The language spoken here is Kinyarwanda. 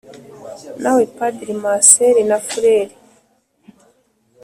nawe padiri, maseri na fureri